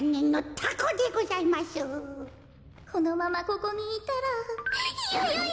このままここにいたらヨヨヨ。